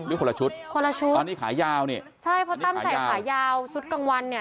คนละชุดคนละชุดอันนี้ขายาวนี่ใช่เพราะตั้มใส่ขายาวชุดกลางวันเนี่ย